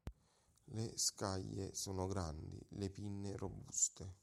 Le scaglie sono grandi, le pinne robuste.